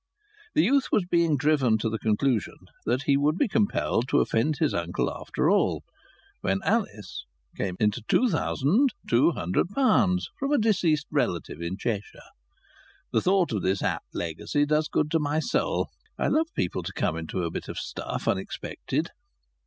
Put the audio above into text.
The youth was being driven to the conclusion that he would be compelled to offend his uncle after all, when Alice came into two thousand two hundred pounds from a deceased relative in Cheshire. The thought of this apt legacy does good to my soul. I love people to come into a bit of stuff unexpected.